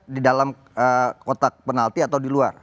di dalam kotak penalti atau di luar